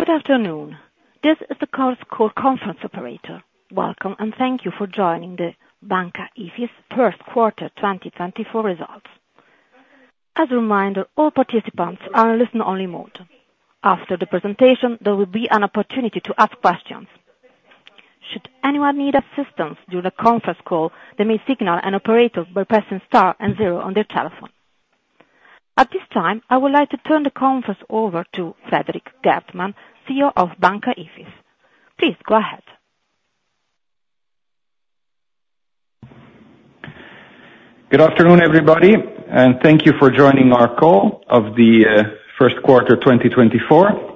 Good afternoon. This is the conference call operator. Welcome, and thank you for joining the Banca IFIS First Quarter 2024 results. As a reminder, all participants are in listen-only mode. After the presentation, there will be an opportunity to ask questions. Should anyone need assistance during the conference call, they may signal an operator by pressing star and zero on their telephone. At this time, I would like to turn the conference over to Frederik Geertman, CEO of Banca IFIS. Please go ahead. Good afternoon, everybody, and thank you for joining our call of the First Quarter 2024.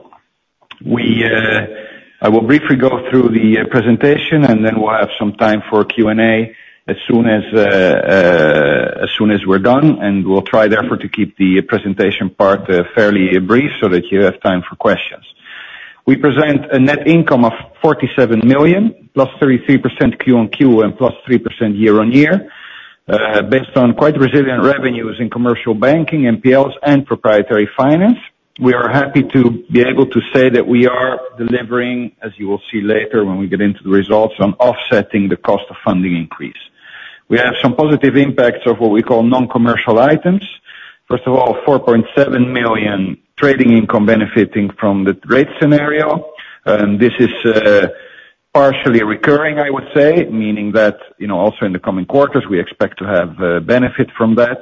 I will briefly go through the presentation, and then we'll have some time for Q&A as soon as we're done. And we'll try therefore to keep the presentation part fairly brief so that you have time for questions. We present a net income of 47 million, +33% Q-on-Q and +3% year-on-year, based on quite resilient revenues in commercial banking, NPLs, and proprietary finance. We are happy to be able to say that we are delivering, as you will see later when we get into the results, on offsetting the cost of funding increase. We have some positive impacts of what we call non-commercial items. First of all, 4.7 million trading income benefiting from the trade scenario. This is partially recurring, I would say, meaning that, you know, also in the coming quarters we expect to have benefit from that.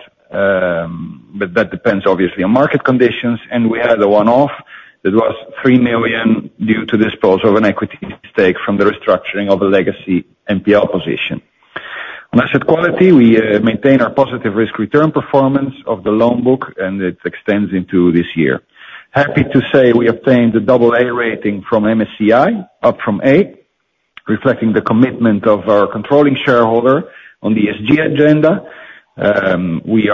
But that depends, obviously, on market conditions. And we had a one-off that was 3 million due to disposal of an equity stake from the restructuring of a legacy NPL position. When I said quality, we maintain our positive risk-return performance of the loan book, and it extends into this year. Happy to say we obtained a double A rating from MSCI, up from A, reflecting the commitment of our controlling shareholder on the ESG agenda. We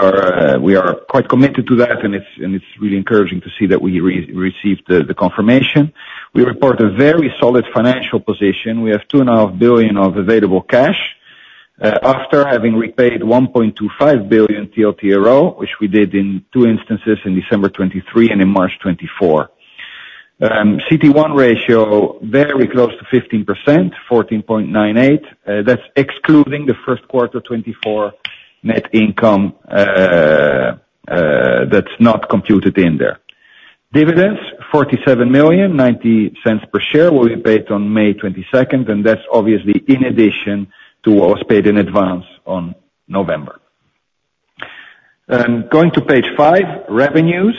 are quite committed to that, and it's really encouraging to see that we received the confirmation. We report a very solid financial position. We have 2.5 billion of available cash, after having repaid 1.25 billion TLTRO, which we did in two instances, in December 2023 and in March 2024. CET1 ratio, very close to 15%, 14.98%. That's excluding the first quarter 2024 net income, that's not computed in there. Dividends, 47.90 million per share will be paid on May 22nd, and that's obviously in addition to what was paid in advance on November. Going to page five, revenues.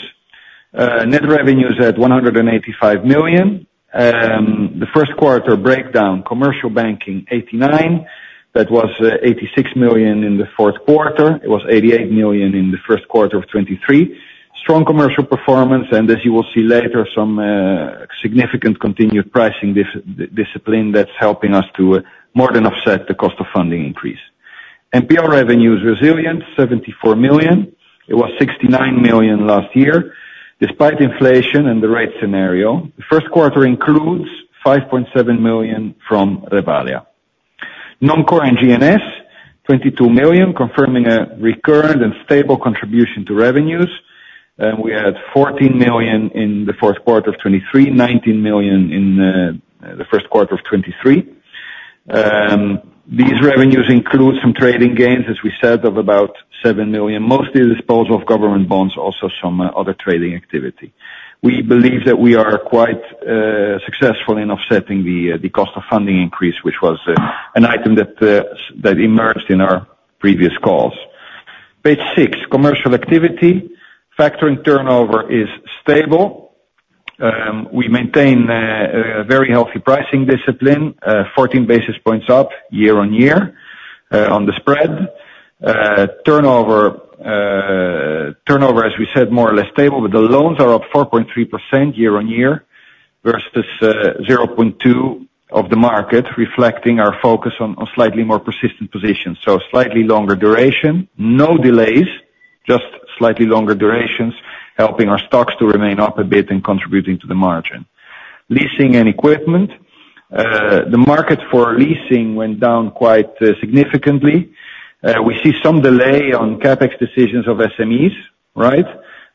Net revenues at 185 million. The First Quarter breakdown, commercial banking, 89 million. That was, 86 million in the fourth quarter. It was 88 million in the first quarter of 2023. Strong commercial performance, and as you will see later, some significant continued pricing discipline that's helping us to more than offset the cost of funding increase. NPL revenues, resilience, 74 million. It was 69 million last year. Despite inflation and the rate scenario, the first quarter includes 5.7 million from Revalea. Non-core and G&S, 22 million, confirming a recurrent and stable contribution to revenues. We had 14 million in the fourth quarter of 2023, 19 million in the first quarter of 2023. These revenues include some trading gains, as we said, of about 7 million, mostly disposal of government bonds, also some other trading activity. We believe that we are quite successful in offsetting the cost of funding increase, which was an item that emerged in our previous calls. Page six, commercial activity. Factoring turnover is stable. We maintain very healthy pricing discipline, 14 basis points up year-on-year, on the spread. Turnover, turnover, as we said, more or less stable, but the loans are up 4.3% year on year versus 0.2% of the market, reflecting our focus on slightly more persistent positions. So slightly longer duration, no delays, just slightly longer durations, helping our stocks to remain up a bit and contributing to the margin. Leasing and equipment. The market for leasing went down quite significantly. We see some delay on CapEx decisions of SMEs, right?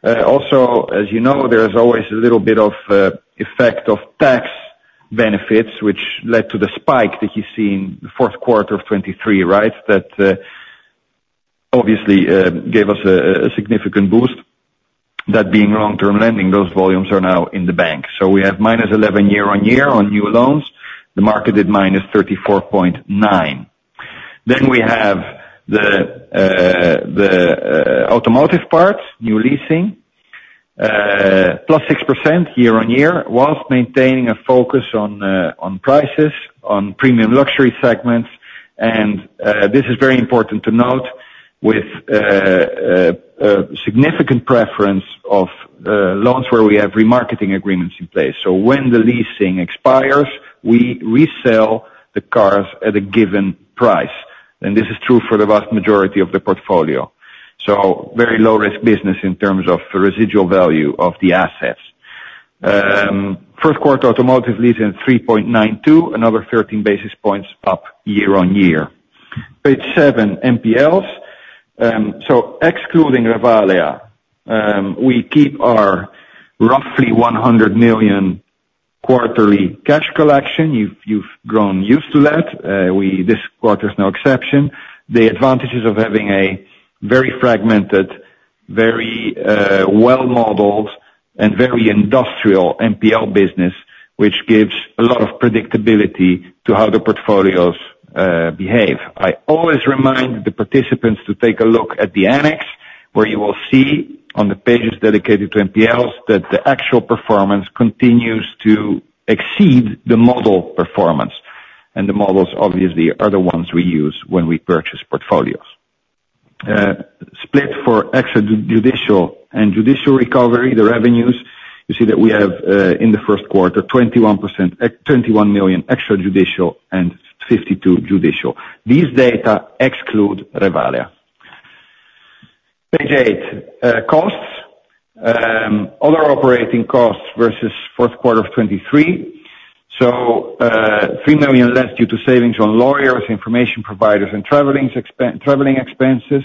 Also, as you know, there's always a little bit of effect of tax benefits, which led to the spike that you see in the fourth quarter of 2023, right, that, obviously, gave us a significant boost. That being long-term lending, those volumes are now in the bank. So we have -11% year-on-year on new loans. The market did -34.9%. Then we have the automotive part, new leasing, +6% year-on-year, while maintaining a focus on prices, on premium luxury segments. This is very important to note with significant preference of loans where we have remarketing agreements in place. So when the leasing expires, we resell the cars at a given price. And this is true for the vast majority of the portfolio. So very low-risk business in terms of the residual value of the assets. First quarter automotive leasing, 3.92%, another 13 basis points up year-on-year. Page 7, NPLs. So excluding Revalea, we keep our roughly 100 million quarterly cash collection. You've, you've grown used to that. We, this quarter's no exception. The advantages of having a very fragmented, very well-modeled and very industrial NPL business, which gives a lot of predictability to how the portfolios behave. I always remind the participants to take a look at the annex, where you will see on the pages dedicated to NPLs that the actual performance continues to exceed the model performance. The models, obviously, are the ones we use when we purchase portfolios. Split for extra-judicial and judicial recovery, the revenues, you see that we have, in the first quarter, 21 million extra-judicial and 52 million judicial. These data exclude Revalea. Page eight, costs. Other operating costs versus fourth quarter of 2023. So, 3 million less due to savings on lawyers, information providers, and traveling expenses.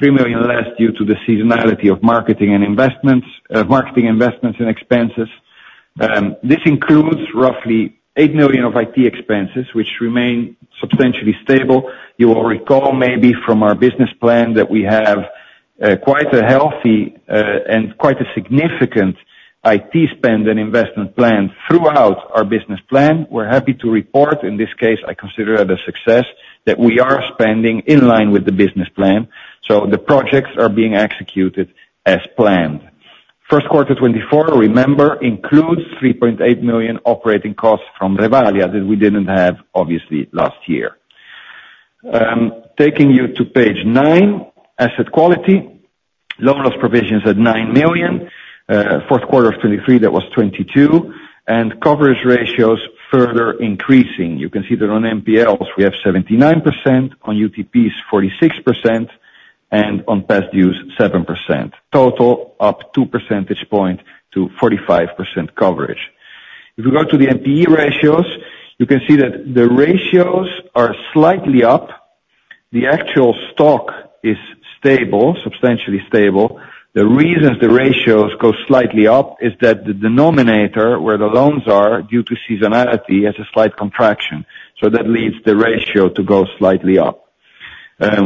3 million less due to the seasonality of marketing investments and expenses. This includes roughly 8 million of IT expenses, which remain substantially stable. You will recall maybe from our business plan that we have, quite a healthy, and quite a significant IT spend and investment plan throughout our business plan. We're happy to report, in this case, I consider it a success, that we are spending in line with the business plan. So the projects are being executed as planned. First quarter 2024, remember, includes 3.8 million operating costs from Revalea that we didn't have, obviously, last year. Taking you to page nine, asset quality. Loan loss provisions at 9 million. fourth quarter of 2023, that was 22 million. And coverage ratios further increasing. You can see that on NPLs, we have 79%, on UTPs, 46%, and on past dues, 7%. Total up 2 percentage points to 45% coverage. If we go to the NPE ratios, you can see that the ratios are slightly up. The actual stock is stable, substantially stable. The reasons the ratios go slightly up is that the denominator, where the loans are due to seasonality, has a slight contraction. So that leads the ratio to go slightly up.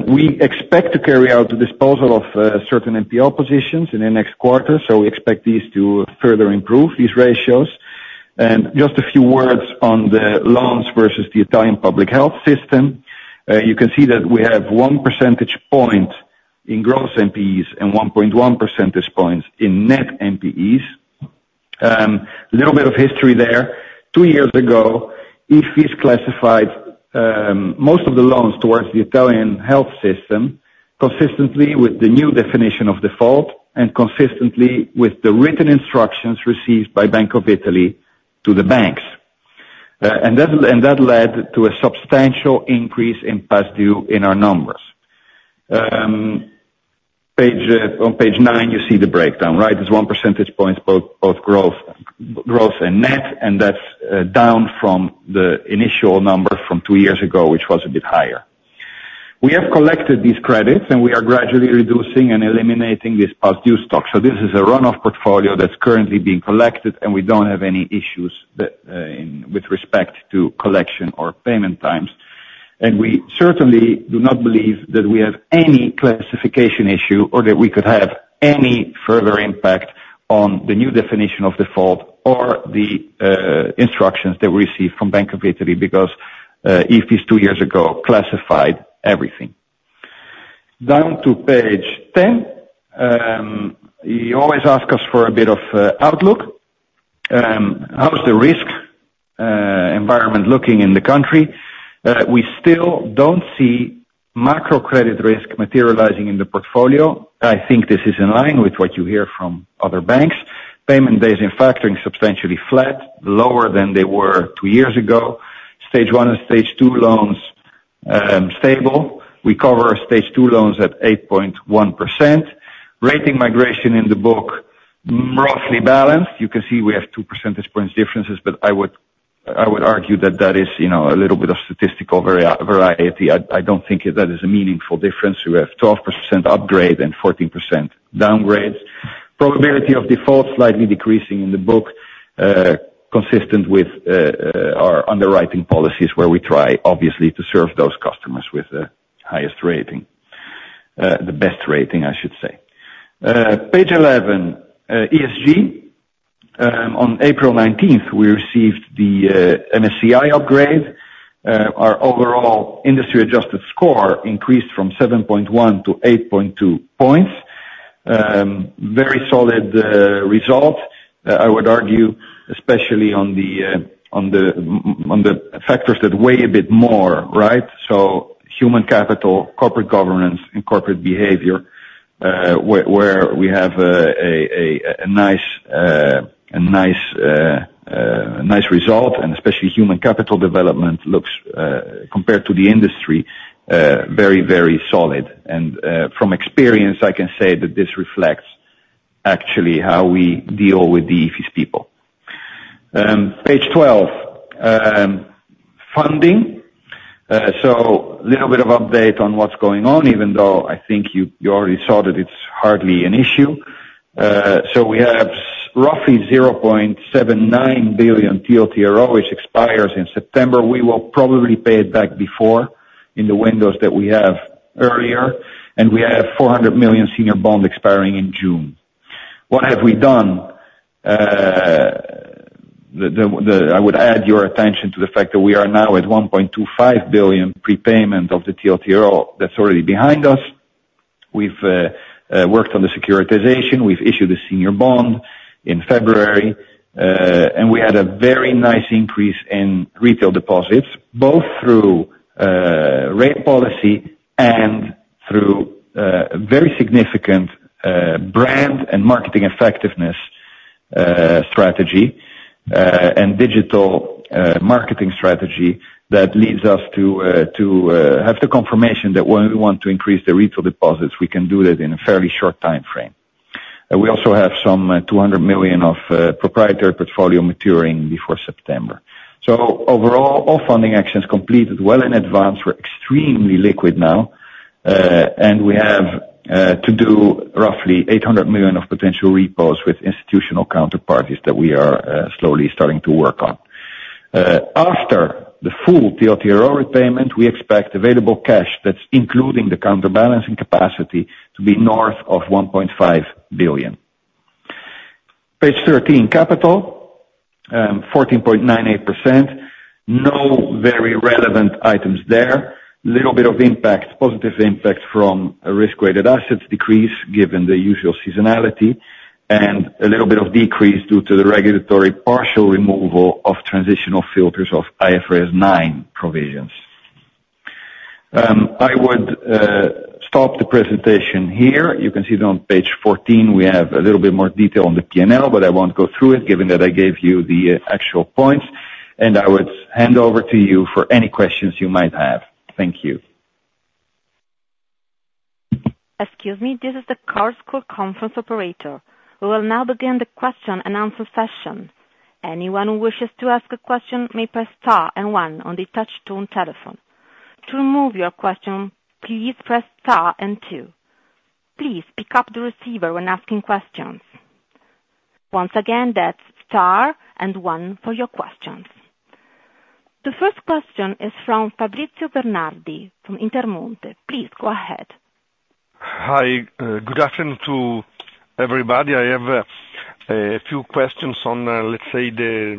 We expect to carry out the disposal of certain NPL positions in the next quarter, so we expect these to further improve these ratios. And just a few words on the loans versus the Italian public health system. You can see that we have 1 percentage point in gross NPEs and 1.1 percentage points in net NPEs. A little bit of history there. Two years ago, IFIS classified most of the loans towards the Italian health system consistently with the new definition of default and consistently with the written instructions received by Bank of Italy to the banks, and that led to a substantial increase in past due in our numbers. On page nine, you see the breakdown, right? It's 1 percentage points, both growth and net, and that's down from the initial number from two years ago, which was a bit higher. We have collected these credits, and we are gradually reducing and eliminating this past due stock. So this is a runoff portfolio that's currently being collected, and we don't have any issues in with respect to collection or payment times. And we certainly do not believe that we have any classification issue or that we could have any further impact on the new definition of default or the instructions that we received from Bank of Italy because Ifis, two years ago, classified everything. Down to page 10. You always ask us for a bit of outlook. How's the risk environment looking in the country? We still don't see macro-credit risk materializing in the portfolio. I think this is in line with what you hear from other banks. Payment days in factoring substantially flat, lower than they were two years ago. Stage 1 and Stage 2 loans, stable. We cover Stage 2 loans at 8.1%. Rating migration in the book roughly balanced. You can see we have 2 percentage points differences, but I would argue that that is, you know, a little bit of statistical variability. I don't think that that is a meaningful difference. We have 12% upgrade and 14% downgrades. Probability of default slightly decreasing in the book, consistent with our underwriting policies where we try, obviously, to serve those customers with the highest rating, the best rating, I should say. Page 11, ESG. On April 19th, we received the MSCI upgrade. Our overall industry-adjusted score increased from 7.1 to 8.2 points. Very solid result, I would argue, especially on the factors that weigh a bit more, right? So human capital, corporate governance, and corporate behavior, where we have a nice result. And especially human capital development looks compared to the industry very solid. And from experience, I can say that this reflects actually how we deal with the Ifis people. Page 12, funding. So little bit of update on what's going on, even though I think you already saw that it's hardly an issue. So we have roughly 0.79 billion TLTRO, which expires in September. We will probably pay it back before in the windows that we have earlier. And we have 400 million senior bond expiring in June. What have we done? I would add your attention to the fact that we are now at 1.25 billion prepayment of the TLTRO that's already behind us. We've worked on the securitization. We've issued the senior bond in February. And we had a very nice increase in retail deposits, both through rate policy and through very significant brand and marketing effectiveness, strategy, and digital marketing strategy that leads us to have the confirmation that when we want to increase the retail deposits, we can do that in a fairly short time frame. We also have some 200 million of proprietary portfolio maturing before September. So overall, all funding actions completed well in advance. We're extremely liquid now. And we have to do roughly 800 million of potential repos with institutional counterparties that we are slowly starting to work on. After the full TLTRO repayment, we expect available cash that's including the counterbalancing capacity to be north of 1.5 billion. Page 13, capital. 14.98%. No very relevant items there. Little bit of impact, positive impact from risk-weighted assets decrease given the usual seasonality and a little bit of decrease due to the regulatory partial removal of transitional filters of IFRS 9 provisions. I would stop the presentation here. You can see that on page 14, we have a little bit more detail on the P&L, but I won't go through it given that I gave you the actual points. And I would hand over to you for any questions you might have. Thank you. Excuse me. This is the Chorus Call conference operator. We will now begin the question and answer session. Anyone who wishes to ask a question may press star and one on the touch-tone telephone. To remove your question, please press star and two. Please pick up the receiver when asking questions. Once again, that's star and one for your questions. The first question is from Fabrizio Bernardi from Intermonte. Please go ahead. Hi. Good afternoon to everybody. I have a few questions on, let's say, the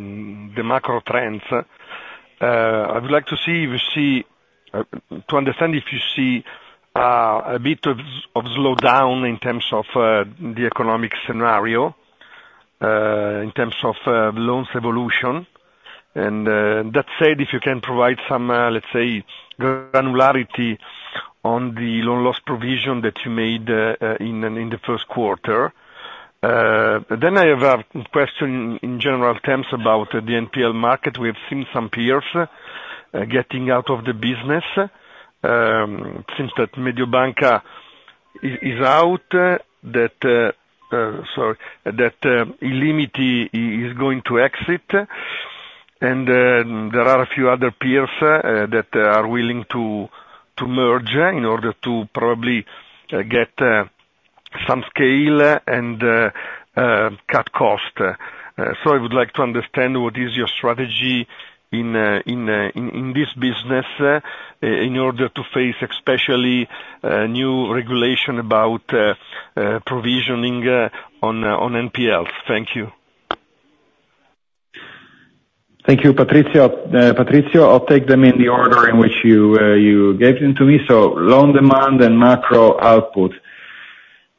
macro trends. I would like to see if you see, to understand if you see, a bit of slowdown in terms of the economic scenario, in terms of loans evolution. That said, if you can provide some, let's say, granularity on the loan loss provision that you made in the first quarter. I have a question in general terms about the NPL market. We have seen some peers getting out of the business. It seems that Mediobanca is out, sorry, that Illimity is going to exit. There are a few other peers that are willing to merge in order to probably get some scale and cut cost. I would like to understand what is your strategy in this business, in order to face especially new regulation about provisioning on NPLs? Thank you. Thank you, Patrizio. Patrizio, I'll take them in the order in which you, you gave them to me. So loan demand and macro output.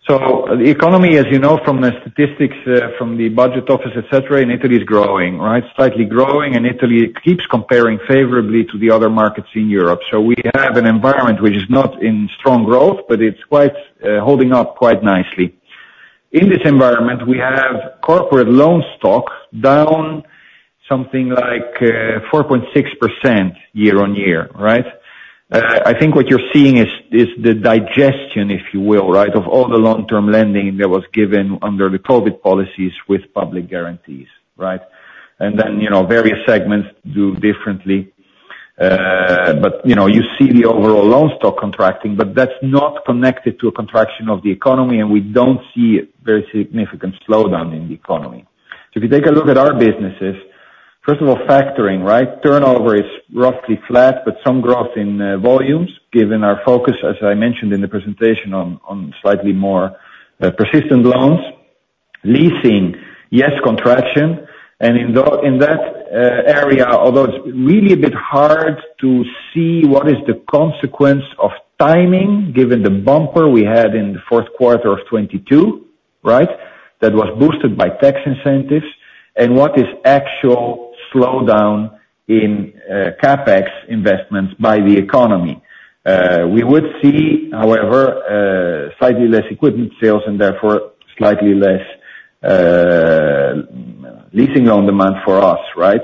So the economy, as you know from the statistics, from the budget office, etc., in Italy is growing, right? Slightly growing. And Italy keeps comparing favorably to the other markets in Europe. So we have an environment which is not in strong growth, but it's quite, holding up quite nicely. In this environment, we have corporate loan stock down something like, 4.6% year-on-year, right? I think what you're seeing is, is the digestion, if you will, right, of all the long-term lending that was given under the COVID policies with public guarantees, right? And then, you know, various segments do differently, but, you know, you see the overall loan stock contracting, but that's not connected to a contraction of the economy. We don't see very significant slowdown in the economy. So if you take a look at our businesses, first of all, factoring, right? Turnover is roughly flat, but some growth in volumes given our focus, as I mentioned in the presentation, on slightly more persistent loans. Leasing, yes, contraction. And in that area, although it's really a bit hard to see what is the consequence of timing given the bumper we had in the fourth quarter of 2022, right, that was boosted by tax incentives, and what is actual slowdown in CapEx investments by the economy, we would see, however, slightly less equipment sales and therefore slightly less leasing loan demand for us, right?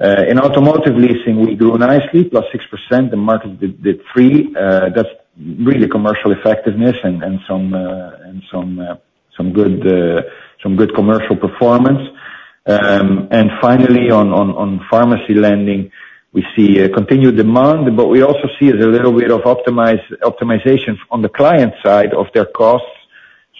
In automotive leasing, we grew nicely, +6%. The market did 3%. That's really commercial effectiveness and some good commercial performance. And finally, on pharmacy lending, we see continued demand, but we also see a little bit of optimization on the client side of their costs.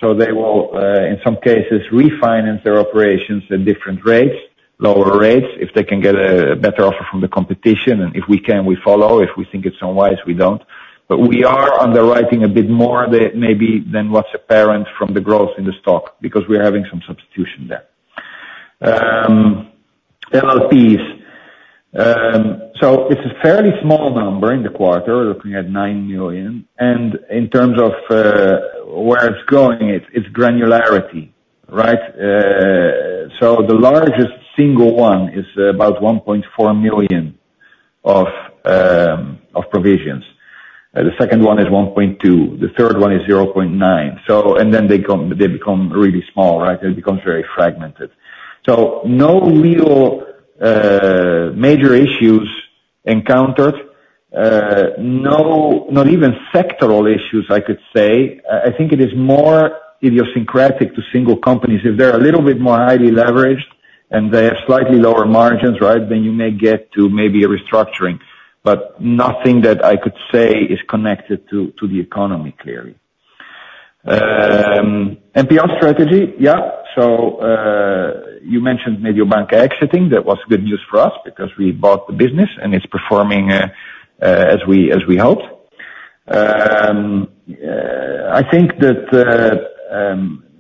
So they will, in some cases, refinance their operations at different rates, lower rates, if they can get a better offer from the competition. And if we can, we follow. If we think it's unwise, we don't. But we are underwriting a bit more than maybe what's apparent from the growth in the stock because we are having some substitution there. LLPs. So it's a fairly small number in the quarter, looking at 9 million. And in terms of where it's going, it's granularity, right? So the largest single one is about 1.4 million of provisions. The second one is 1.2 million. The third one is 0.9 million. So and then they become really small, right? It becomes very fragmented. So no real, major issues encountered. No, not even sectoral issues, I could say. I think it is more idiosyncratic to single companies. If they're a little bit more highly leveraged and they have slightly lower margins, right, then you may get to maybe a restructuring. But nothing that I could say is connected to the economy clearly. NPL strategy, yeah. So, you mentioned Mediobanca exiting. That was good news for us because we bought the business, and it's performing, as we hoped. I think that,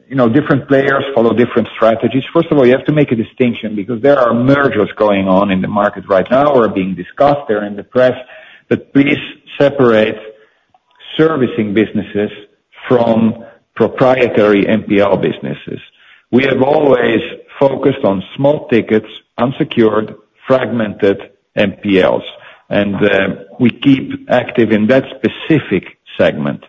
you know, different players follow different strategies. First of all, you have to make a distinction because there are mergers going on in the market right now or are being discussed. They're in the press. But please separate servicing businesses from proprietary NPL businesses. We have always focused on small tickets, unsecured, fragmented NPLs. We keep active in that specific segment.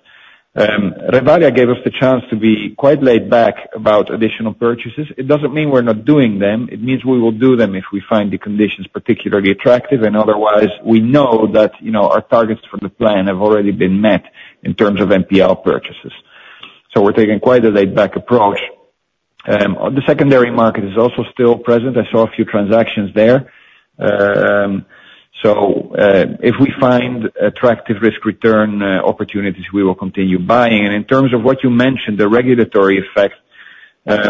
Revalea gave us the chance to be quite laid back about additional purchases. It doesn't mean we're not doing them. It means we will do them if we find the conditions particularly attractive. Otherwise, we know that, you know, our targets for the plan have already been met in terms of NPL purchases. We're taking quite a laid-back approach. The secondary market is also still present. I saw a few transactions there. So, if we find attractive risk-return opportunities, we will continue buying. In terms of what you mentioned, the regulatory effect,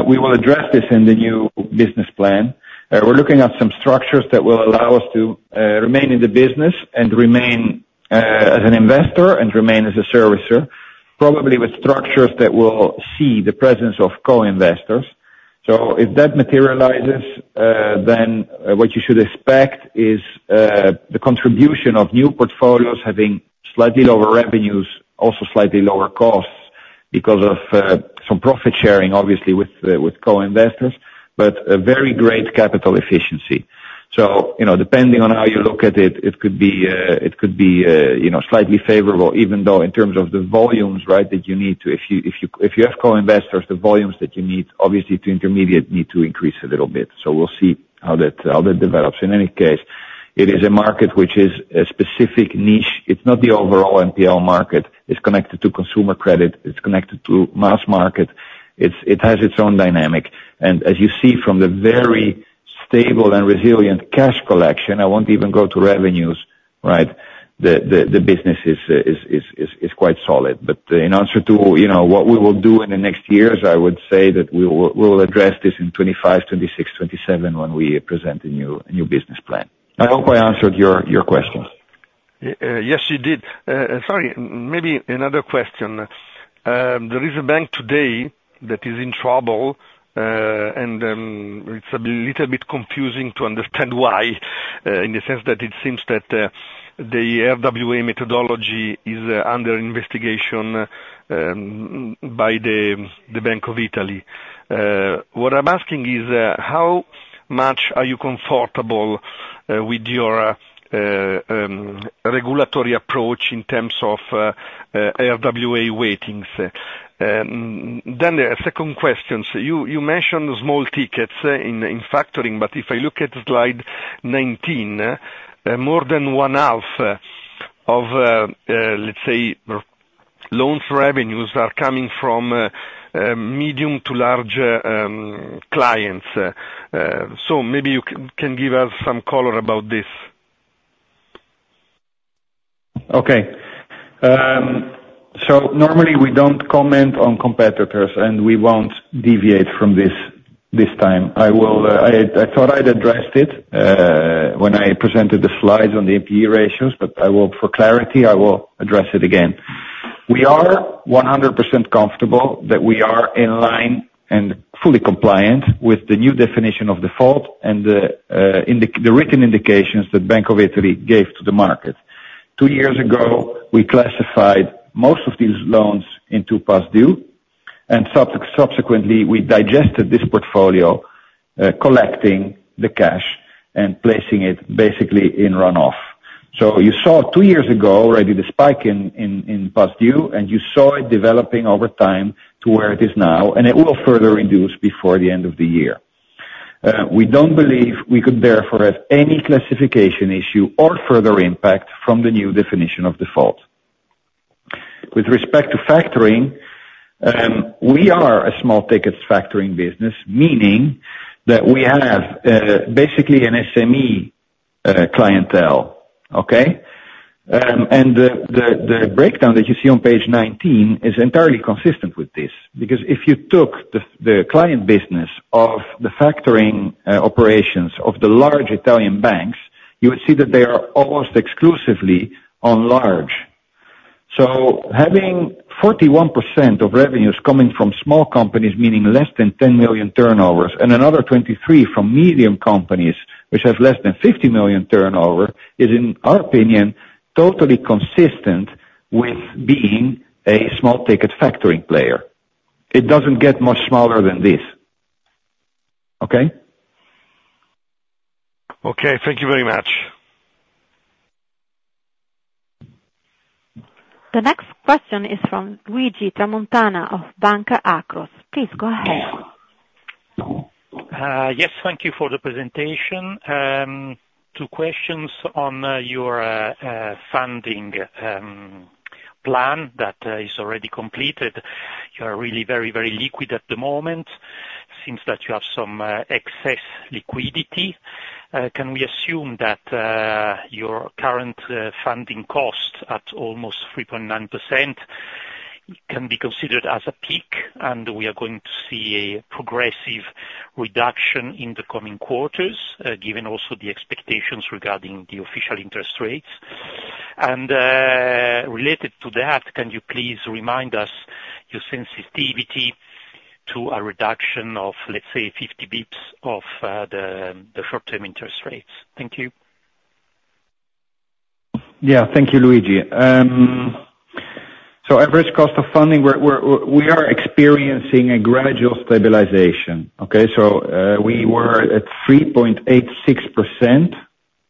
we will address this in the new business plan. We're looking at some structures that will allow us to remain in the business and remain as an investor and remain as a servicer, probably with structures that will see the presence of co-investors. So if that materializes, then what you should expect is the contribution of new portfolios having slightly lower revenues, also slightly lower costs because of some profit sharing, obviously, with co-investors, but a very great capital efficiency. So, you know, depending on how you look at it, it could be, it could be, you know, slightly favorable, even though in terms of the volumes, right, that you need to if you if you if you have co-investors, the volumes that you need, obviously, to intermediate need to increase a little bit. So we'll see how that develops. In any case, it is a market which is a specific niche. It's not the overall NPL market. It's connected to consumer credit. It's connected to mass market. It has its own dynamic. As you see from the very stable and resilient cash collection, I won't even go to revenues, right?, the business is quite solid. But in answer to, you know, what we will do in the next years, I would say that we will address this in 2025, 2026, 2027 when we present a new business plan. I hope I answered your questions. Yes, you did. Sorry. Maybe another question. There is a bank today that is in trouble, and it's a little bit confusing to understand why, in the sense that it seems that the RWA methodology is under investigation by the Bank of Italy. What I'm asking is, how much are you comfortable with your regulatory approach in terms of RWA weightings? Then the second questions. You mentioned small tickets in factoring. But if I look at slide 19, more than one-half of, let's say, our loans revenues are coming from medium to large clients. So maybe you can give us some color about this. Okay. So normally, we don't comment on competitors, and we won't deviate from this time. I will, I thought I'd addressed it, when I presented the slides on the APE ratios. But I will for clarity, I will address it again. We are 100% comfortable that we are in line and fully compliant with the new definition of default and the, indeed the written indications that Bank of Italy gave to the market. Two years ago, we classified most of these loans into past due. And subsequently, we digested this portfolio, collecting the cash and placing it basically in runoff. So you saw two years ago already the spike in past due. And you saw it developing over time to where it is now. And it will further reduce before the end of the year. We don't believe we could therefore have any classification issue or further impact from the new definition of default. With respect to factoring, we are a small tickets factoring business, meaning that we have, basically an SME clientele, okay? And the breakdown that you see on page 19 is entirely consistent with this because if you took the client business of the factoring operations of the large Italian banks, you would see that they are almost exclusively on large. So having 41% of revenues coming from small companies, meaning less than 10 million turnovers, and another 23% from medium companies, which have less than 50 million turnover, is, in our opinion, totally consistent with being a small ticket factoring player. It doesn't get much smaller than this, okay? Okay. Thank you very much. The next question is from Luigi Tramontana of Banca Akros. Please go ahead. Yes. Thank you for the presentation. Two questions on your funding plan that is already completed. You are really very, very liquid at the moment since that you have some excess liquidity. Can we assume that your current funding cost at almost 3.9% can be considered as a peak? We are going to see a progressive reduction in the coming quarters, given also the expectations regarding the official interest rates. Related to that, can you please remind us your sensitivity to a reduction of, let's say, 50 bps of the short-term interest rates? Thank you. Yeah. Thank you, Luigi. So average cost of funding we're experiencing a gradual stabilization, okay? So, we were at 3.86%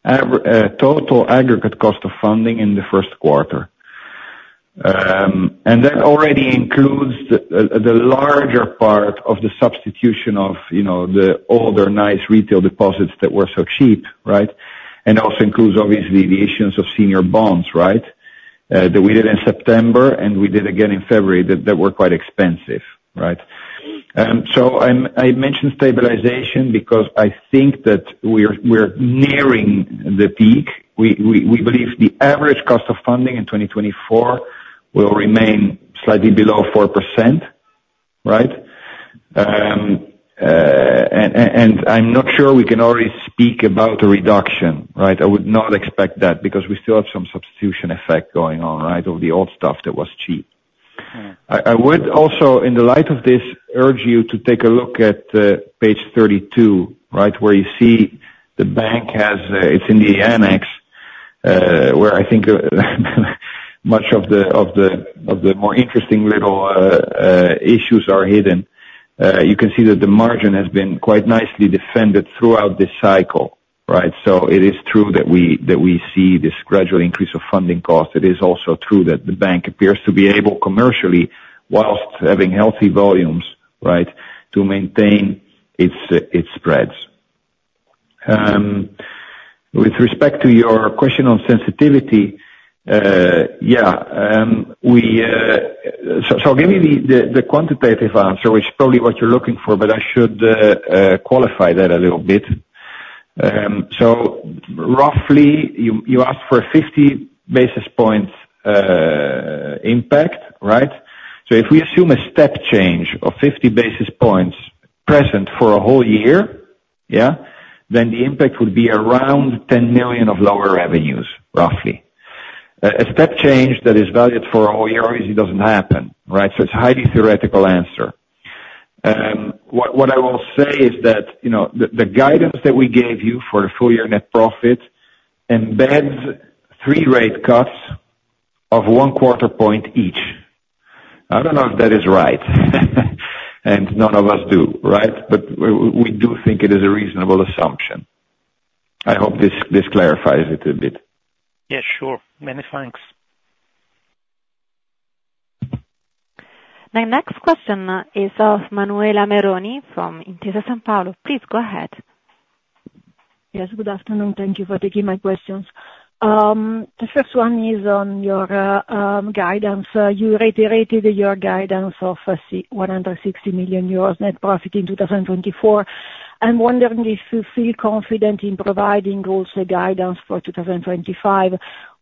average total aggregate cost of funding in the first quarter. And that already includes the larger part of the substitution of, you know, the older, nice retail deposits that were so cheap, right? And also includes, obviously, the issuance of senior bonds, right, that we did in September and we did again in February that were quite expensive, right? So I mentioned stabilization because I think that we're nearing the peak. We believe the average cost of funding in 2024 will remain slightly below 4%, right? And I'm not sure we can already speak about a reduction, right? I would not expect that because we still have some substitution effect going on, right, of the old stuff that was cheap. I would also, in the light of this, urge you to take a look at page 32, right, where you see the bank has, it's in the annex, where I think much of the more interesting little issues are hidden. You can see that the margin has been quite nicely defended throughout this cycle, right? So it is true that we see this gradual increase of funding cost. It is also true that the bank appears to be able commercially, whilst having healthy volumes, right, to maintain its spreads. With respect to your question on sensitivity, yeah. So, give me the quantitative answer, which is probably what you're looking for. But I should qualify that a little bit. So roughly, you asked for a 50 basis points impact, right? So if we assume a step change of 50 basis points present for a whole year, yeah, then the impact would be around 10 million of lower revenues, roughly. A step change that is valued for a whole year obviously doesn't happen, right? So it's a highly theoretical answer. What I will say is that, you know, the guidance that we gave you for the full-year net profit embeds three rate cuts of one quarter point each. I don't know if that is right. None of us do, right? But we do think it is a reasonable assumption. I hope this clarifies it a bit. Yes, sure. Many thanks. The next question is of Manuela Meroni from Intesa Sanpaolo. Please go ahead. Yes. Good afternoon. Thank you for taking my questions. The first one is on your guidance. You reiterated your guidance of, see, 160 million euros net profit in 2024. I'm wondering if you feel confident in providing also guidance for 2025.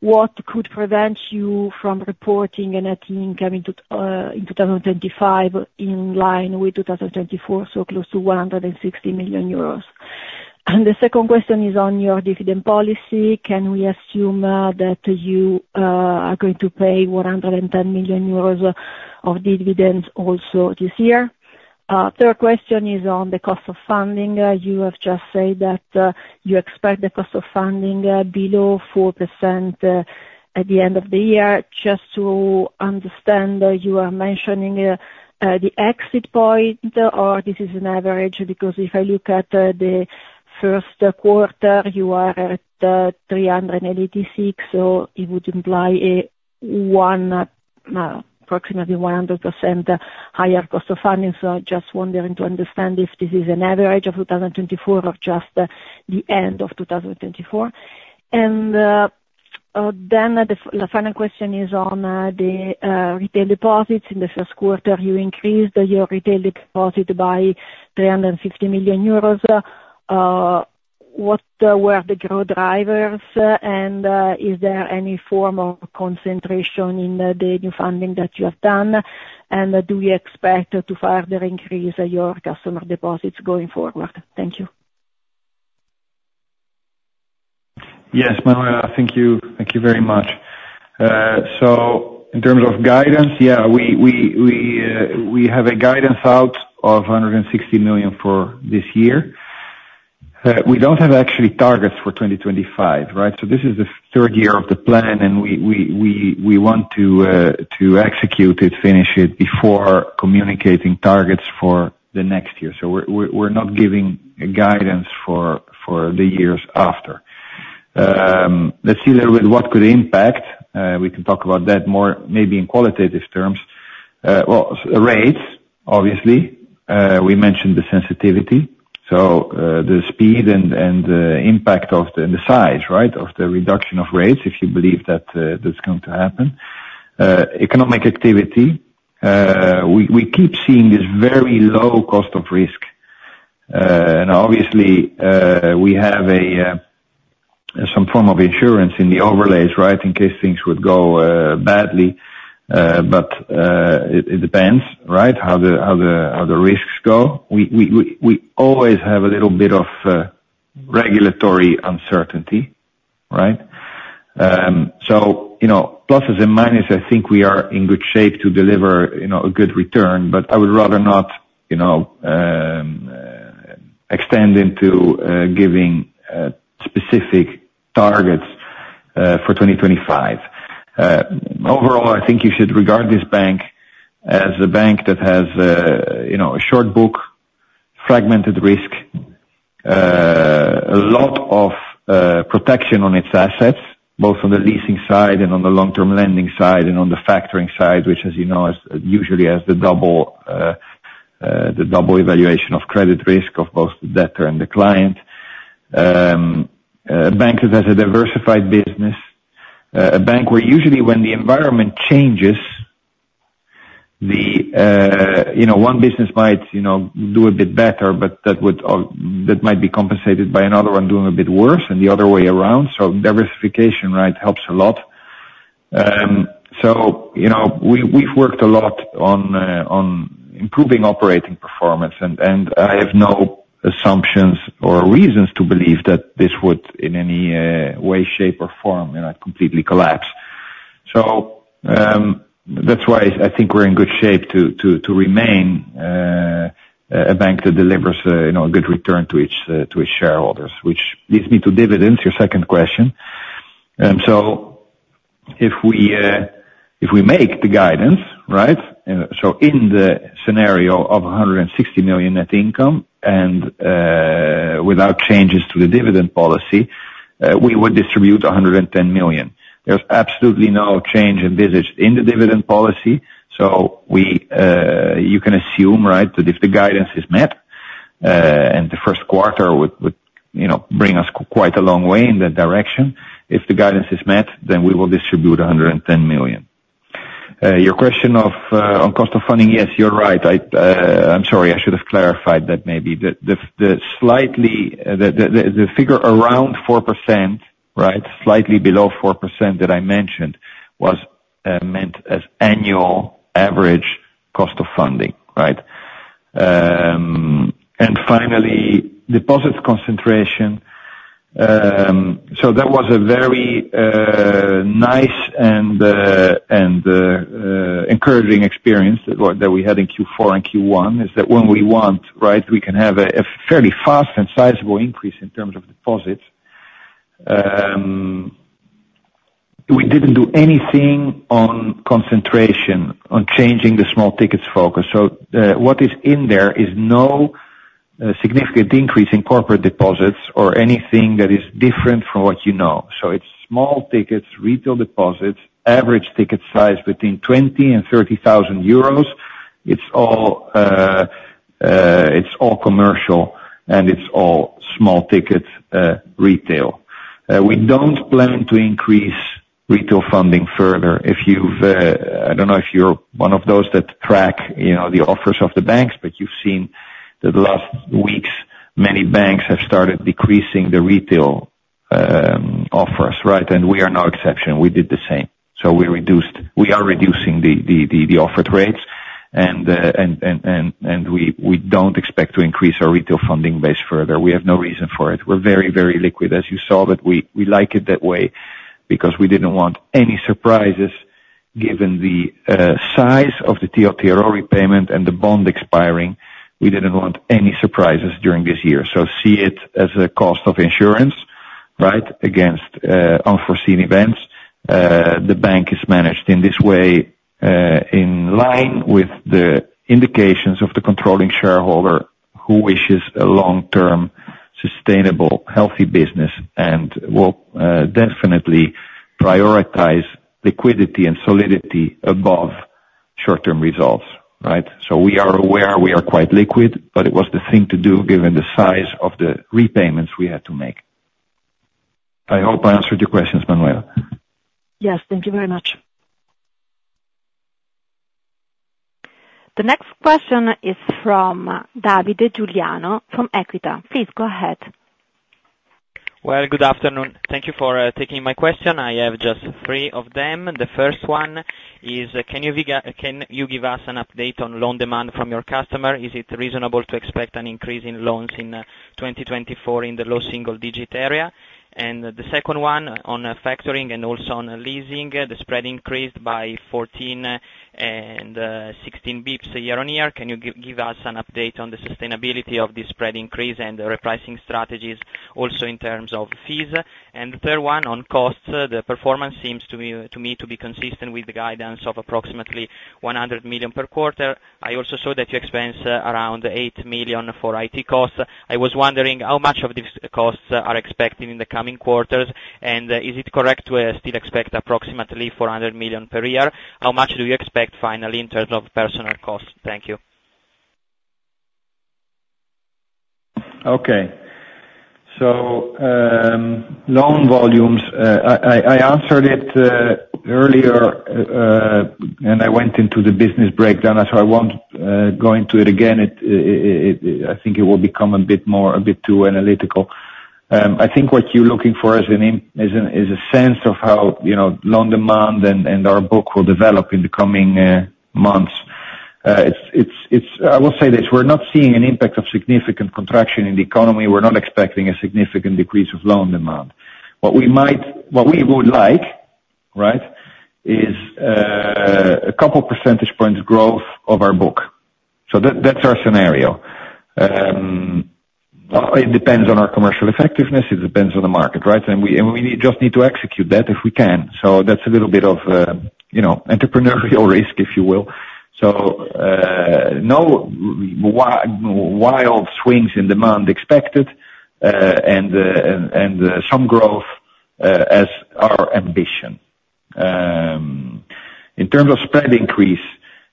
What could prevent you from reporting an AT income in 2025 in line with 2024, so close to 160 million euros? And the second question is on your dividend policy. Can we assume that you are going to pay 110 million euros of dividends also this year? Third question is on the cost of funding. You have just said that you expect the cost of funding below 4% at the end of the year. Just to understand, you are mentioning the exit point, or this is an average? Because if I look at the first quarter, you are at 386. So it would imply a one, approximately 100% higher cost of funding. So I'm just wondering to understand if this is an average of 2024 or just the end of 2024. And then the final question is on the retail deposits. In the first quarter, you increased your retail deposit by 350 million euros. What were the growth drivers? And is there any form of concentration in the new funding that you have done? And do you expect to further increase your customer deposits going forward? Thank you. Yes, Manuela. Thank you. Thank you very much. So in terms of guidance, yeah, we have a guidance out of 160 million for this year. We don't have actually targets for 2025, right? So this is the third year of the plan. And we want to execute it, finish it before communicating targets for the next year. So we're not giving guidance for the years after. Let's see a little bit what could impact. We can talk about that more maybe in qualitative terms. Well, interest rates, obviously. We mentioned the sensitivity. So, the speed and the impact and the size, right, of the reduction of rates, if you believe that, that's going to happen. Economic activity. We keep seeing this very low cost of risk. Obviously, we have some form of insurance in the overlays, right, in case things would go badly. But it depends, right, how the risks go. We always have a little bit of regulatory uncertainty, right? So, you know, pluses and minuses. I think we are in good shape to deliver, you know, a good return. But I would rather not, you know, extend into giving specific targets for 2025. Overall, I think you should regard this bank as a bank that has, you know, a short book, fragmented risk, a lot of protection on its assets, both on the leasing side and on the long-term lending side and on the factoring side, which, as you know, usually has the double evaluation of credit risk of both the debtor and the client. A bank that has a diversified business, a bank where usually, when the environment changes, you know, one business might, you know, do a bit better. But that would, that might be compensated by another one doing a bit worse and the other way around. So diversification, right, helps a lot. So, you know, we, we've worked a lot on improving operating performance. And I have no assumptions or reasons to believe that this would in any way, shape, or form, you know, completely collapse. So, that's why I think we're in good shape to remain a bank that delivers, you know, a good return to its shareholders, which leads me to dividends, your second question. So if we make the guidance, right, so in the scenario of 160 million net income and, without changes to the dividend policy, we would distribute 110 million. There's absolutely no change envisaged in the dividend policy. So you can assume, right, that if the guidance is met, and the first quarter would, you know, bring us quite a long way in that direction, if the guidance is met, then we will distribute 110 million. Your question on cost of funding, yes, you're right. I'm sorry. I should have clarified that maybe. The figure around 4%, right, slightly below 4% that I mentioned was meant as annual average cost of funding, right? And finally, deposits concentration. So that was a very nice and encouraging experience that we had in Q4 and Q1 is that when we want, right, we can have a fairly fast and sizable increase in terms of deposits. We didn't do anything on concentration, on changing the small tickets focus. So what is in there is no significant increase in corporate deposits or anything that is different from what you know. So it's small tickets, retail deposits, average ticket size between 20,000 and 30,000 euros. It's all commercial. And it's all small ticket, retail. We don't plan to increase retail funding further if you've, I don't know if you're one of those that track, you know, the offers of the banks. But you've seen that the last weeks, many banks have started decreasing the retail offers, right? And we are no exception. We did the same. So we are reducing the offered rates. And we don't expect to increase our retail funding base further. We have no reason for it. We're very, very liquid, as you saw. But we like it that way because we didn't want any surprises given the size of the TLTRO repayment and the bond expiring. We didn't want any surprises during this year. So see it as a cost of insurance, right, against unforeseen events. The bank is managed in this way, in line with the indications of the controlling shareholder who wishes a long-term, sustainable, healthy business and will definitely prioritize liquidity and solidity above short-term results, right? So we are aware we are quite liquid. But it was the thing to do given the size of the repayments we had to make. I hope I answered your questions, Manuela. Yes. Thank you very much. The next question is from Davide Giuliano from Equita. Please go ahead. Well, good afternoon. Thank you for taking my question. I have just three of them. The first one is, can you give us an update on loan demand from your customer? Is it reasonable to expect an increase in loans in 2024 in the low single-digit area? And the second one on factoring and also on leasing, the spread increased by 14 and 16 bps year-on-year. Can you give us an update on the sustainability of this spread increase and the repricing strategies, also in terms of fees? And the third one on costs. The performance seems to me to be consistent with the guidance of approximately 100 million per quarter. I also saw that you expense around 8 million for IT costs. I was wondering how much of these costs are expected in the coming quarters. Is it correct to still expect approximately 400 million per year? How much do you expect finally in terms of personal costs? Thank you. Okay. So, loan volumes, I answered it earlier, and I went into the business breakdown. So I won't go into it again. I think it will become a bit too analytical. I think what you're looking for is a sense of how, you know, loan demand and our book will develop in the coming months. I will say this. We're not seeing an impact of significant contraction in the economy. We're not expecting a significant decrease of loan demand. What we would like, right, is a couple percentage points growth of our book. So that's our scenario. Well, it depends on our commercial effectiveness. It depends on the market, right? And we need to execute that if we can. So that's a little bit of, you know, entrepreneurial risk, if you will. So, no wild swings in demand expected, and some growth, as our ambition. In terms of spread increase,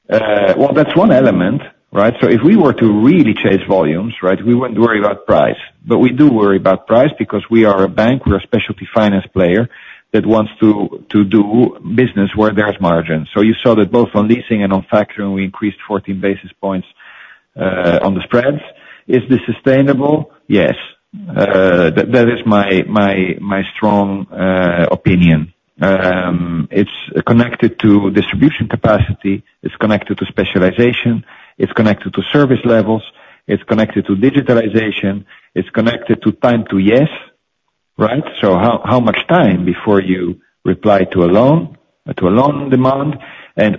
well, that's one element, right? So if we were to really chase volumes, right, we wouldn't worry about price. But we do worry about price because we are a bank. We're a specialty finance player that wants to do business where there's margin. So you saw that both on leasing and on factoring, we increased 14 basis points, on the spreads. Is this sustainable? Yes. That is my strong opinion. It's connected to distribution capacity. It's connected to specialization. It's connected to service levels. It's connected to digitalization. It's connected to time to yes, right? So how much time before you reply to a loan demand?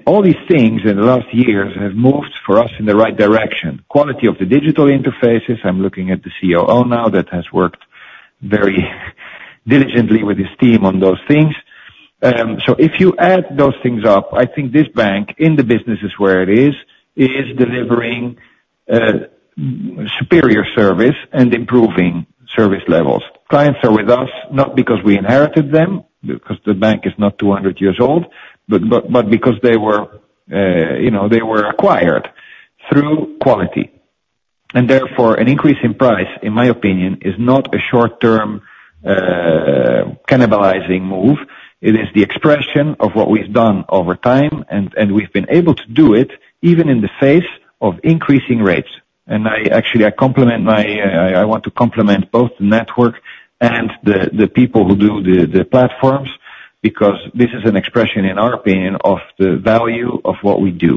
All these things in the last years have moved for us in the right direction. Quality of the digital interfaces. I'm looking at the COO now that has worked very diligently with his team on those things. So if you add those things up, I think this bank, in the businesses where it is, is delivering a superior service and improving service levels. Clients are with us not because we inherited them, because the bank is not 200 years old, but because they were, you know, they were acquired through quality. And therefore, an increase in price, in my opinion, is not a short-term, cannibalizing move. It is the expression of what we've done over time. And we've been able to do it even in the face of increasing rates. I actually want to complement both the network and the people who do the platforms because this is an expression, in our opinion, of the value of what we do.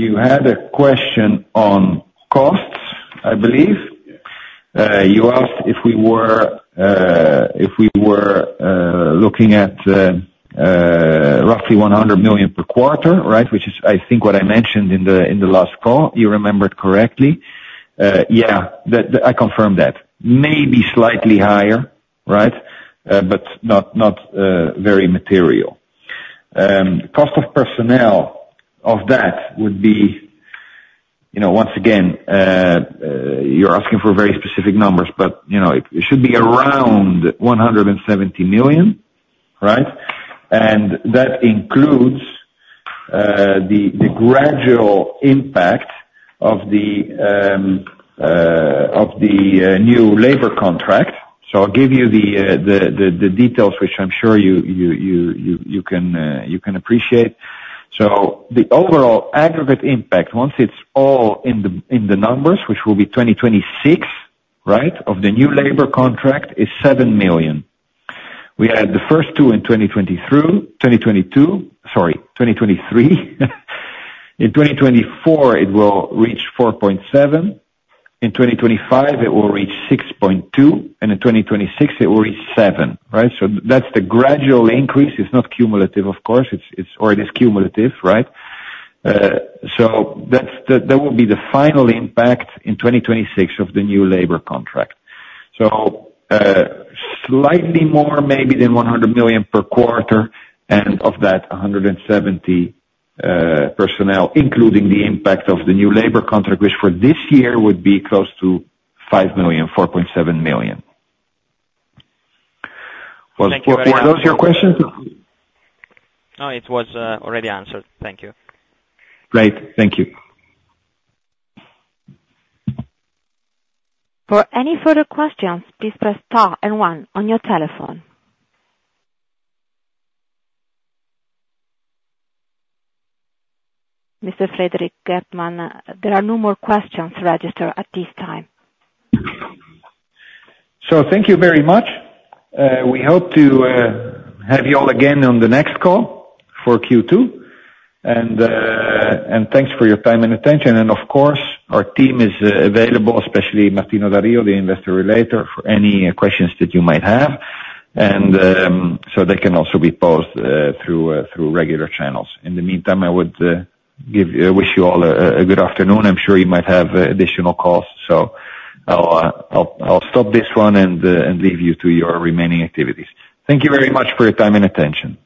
You had a question on costs, I believe. You asked if we were looking at roughly 100 million per quarter, right, which is, I think, what I mentioned in the last call. You remembered correctly. Yeah, that I confirm that. Maybe slightly higher, right, but not very material. Cost of personnel of that would be, you know, once again, you're asking for very specific numbers. But, you know, it should be around 170 million, right? And that includes the gradual impact of the new labor contract. So I'll give you the details, which I'm sure you can appreciate. So the overall aggregate impact, once it's all in the numbers, which will be 2026, right, of the new labor contract, is 7 million. We had the first two in 2023, 2022 sorry, 2023. In 2024, it will reach 4.7. In 2025, it will reach 6.2. And in 2026, it will reach 7, right? So that's the gradual increase. It's not cumulative, of course. It's or it is cumulative, right? So that's the final impact in 2026 of the new labor contract. So, slightly more maybe than 100 million per quarter. And of that, 170, personnel, including the impact of the new labor contract, which for this year would be close to 5 million, 4.7 million. Were those your questions? No, it was, already answered. Thank you. Great. Thank you. For any further questions, please press 2 and 1 on your telephone. Mr. Frederik Geertman, there are no more questions registered at this time. So thank you very much. We hope to have you all again on the next call for Q2. And thanks for your time and attention. And of course, our team is available, especially Martino Da Rio, the Investor Relations, for any questions that you might have. And so they can also be posted through regular channels. In the meantime, I would wish you all a good afternoon. I'm sure you might have additional calls. So I'll stop this one and leave you to your remaining activities. Thank you very much for your time and attention.